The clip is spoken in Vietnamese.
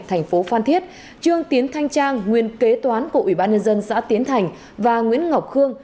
tp phan thiết trương tiến thanh trang nguyên kế toán của ubnd xã tiến thành và nguyễn ngọc khương